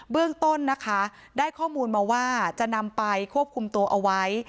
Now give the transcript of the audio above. เรื่องต้นนะคะได้ข้อมูลมาว่าจะนำไปควบคุมตัวเอาไว้